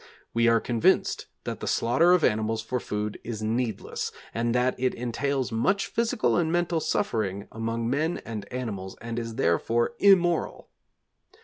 We are convinced that the slaughter of animals for food is needless, and that it entails much physical and mental suffering among men and animals and is therefore immoral.